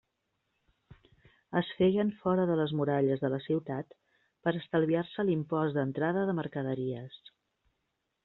Es feien fora de les muralles de la ciutat per estalviar-se l'impost d'entrada de mercaderies.